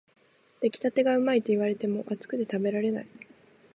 出来たてがうまいと言われても、熱くて食べられない